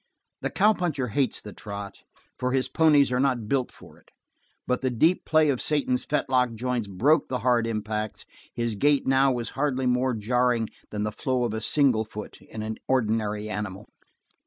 The cowpuncher hates the trot, for his ponies are not built for it, but the deep play of Satan's fetlock joints broke the hard impacts; his gait now was hardly more jarring than the flow of the single foot in an ordinary animal.